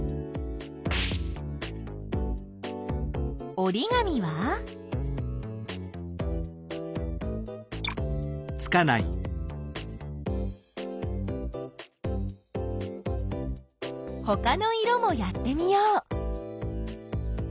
おりがみは？ほかの色もやってみよう。